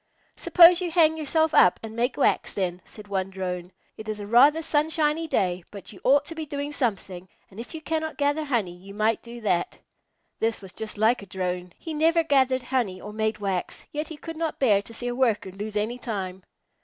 "Suppose you hang yourself up and make wax then," said one Drone. "It is a rather sunshiny day, but you ought to be doing something, and if you cannot gather honey you might do that." This was just like a Drone. He never gathered honey or made wax, yet he could not bear to see a Worker lose any time.